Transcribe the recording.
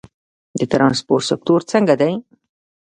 د ترانسپورت سکتور څنګه دی؟